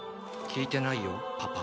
聞いてないよパパ？